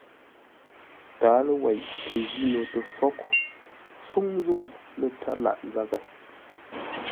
Tǎalo wei kə jíno tə fwóghʼ fúŋ zə̂u lə́ tsâr lâʼ zághʼə.